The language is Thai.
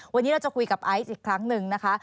วันนี้เราจะคุยกับไอซ์อีกครั้งหนึ่งนะคะ